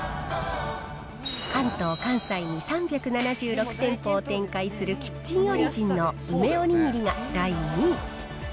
関東、関西に３７６店舗を展開するキッチンオリジンの梅おにぎりが第２位。